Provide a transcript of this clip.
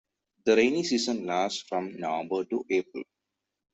The rainy season lasts from November to April.